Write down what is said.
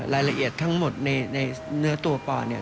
รายละเอียดทั้งหมดในเนื้อตัวปอนเนี่ย